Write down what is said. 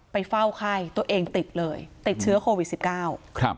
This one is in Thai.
เฝ้าไข้ตัวเองติดเลยติดเชื้อโควิดสิบเก้าครับ